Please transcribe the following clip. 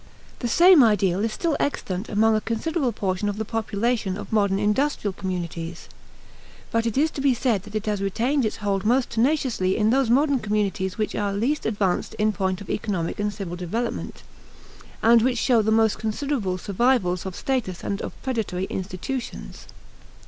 The same ideal is still extant among a considerable portion of the population of modern industrial communities; but it is to be said that it has retained its hold most tenaciously in those modern communities which are least advanced in point of economic and civil development, and which show the most considerable survivals of status and of predatory institutions.